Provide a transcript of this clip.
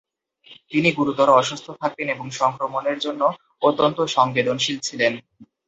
তিনি গুরুতর অসুস্থ থাকতেন এবং সংক্রমণের জন্য অত্যন্ত সংবেদনশীল ছিলেন।